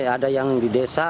ada yang di desa